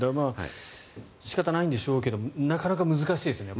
仕方ないんでしょうけどなかなか難しいですよね。